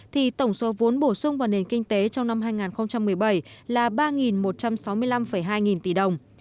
thì tổng số vốn bổ sung vào nền kinh tế trong năm hai nghìn một mươi bảy là ba một trăm sáu mươi năm hai nghìn tỷ đồng